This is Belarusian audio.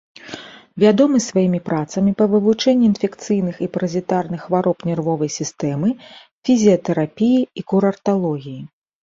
Вядомы сваімі працамі па вывучэнні інфекцыйных і паразітарных хвароб нервовай сістэмы, фізіятэрапіі і курарталогіі.